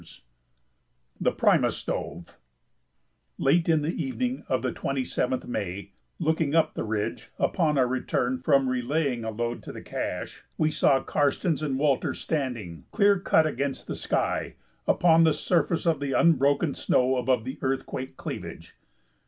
] [Sidenote: The Primus Stove] Late in the evening of the 27th May, looking up the ridge upon our return from relaying a load to the cache, we saw Karstens and Walter standing, clear cut, against the sky, upon the surface of the unbroken snow above the earthquake cleavage.